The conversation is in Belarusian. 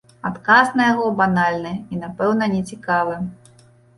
Адказ на яго банальны і, напэўна, нецікавы.